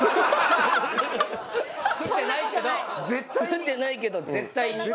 食ってないけど絶対に。